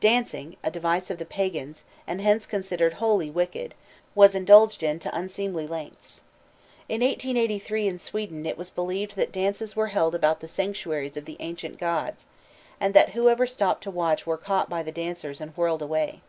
Dancing, a device of the pagans, and hence considered wholly wicked, was indulged in to unseemly lengths. In 1883 in Sweden it was believed that dances were held about the sanctuaries of the ancient gods, and that whoever stopped to watch were caught by the dancers and whirled away.